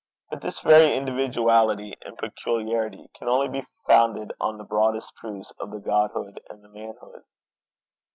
But this very individuality and peculiarity can only be founded on the broadest truths of the Godhood and the manhood.